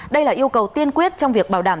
đây là yêu cầu tiên quyết trong việc bảo đảm